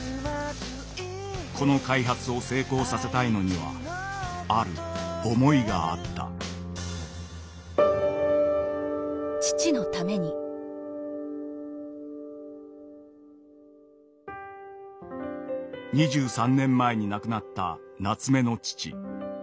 この開発を成功させたいのにはある思いがあった２３年前に亡くなった夏目の父。